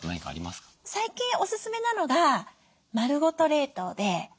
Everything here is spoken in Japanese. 最近おすすめなのが丸ごと冷凍で。